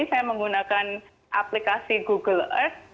saya menggunakan aplikasi google earth